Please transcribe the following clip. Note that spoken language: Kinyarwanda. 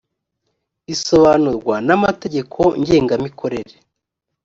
isobanurwa n amategeko ngengamikorere